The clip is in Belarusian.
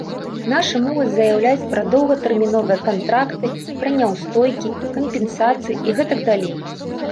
Нашы могуць заяўляць пра доўгатэрміновыя кантракты, пра няўстойкі, кампенсацыі і гэтак далей.